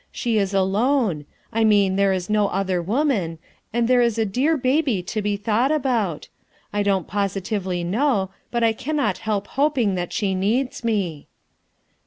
She is alone; I mean there is no other woman, and there is a dear baby to be thought about; I don't positively know, but I cannot help hop ing that she needs me."